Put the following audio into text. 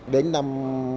đến năm hai nghìn năm